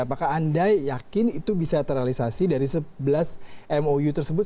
apakah anda yakin itu bisa terrealisasi dari sebelas mou tersebut